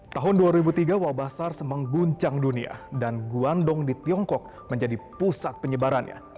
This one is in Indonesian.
tahun dua ribu tiga wabah sars mengguncang dunia dan guandong di tiongkok menjadi pusat penyebarannya